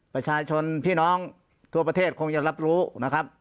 ประชาชนพี่น้องทั่วประเทศคงจะรับรู้นะครับ